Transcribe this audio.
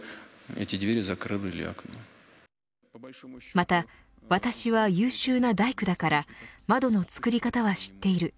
また、私は優秀な大工だから窓の作り方は知っている。